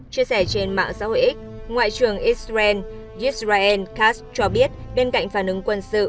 chia sẻ trên mạng xã hội x ngoại trưởng israel yezbriel kass cho biết bên cạnh phản ứng quân sự